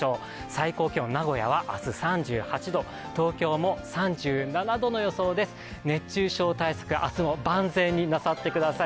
最高気温、名古屋は明日、３８度、東京も３７度の予想で熱中症対策、明日も万全になさってください。